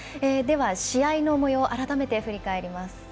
では、試合のもようを改めて振り返ります。